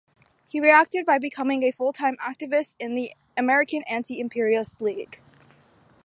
He reacted by becoming a full-time activist in the American Anti-Imperialist League.